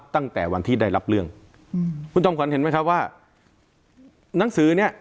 ตั้งแต่วันที่ได้รับเรื่องคุณจอมขวัญเห็นไหมครับว่าหนังสือเนี่ย